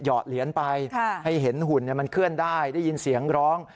อดเหรียญไปให้เห็นหุ่นมันเคลื่อนได้ได้ยินเสียงร้อง